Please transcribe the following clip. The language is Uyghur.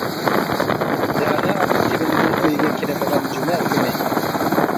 رەنا ئابدۇكېرىمنىڭ ئۆيىگە كېلىدىغان جۈمە كۈنى.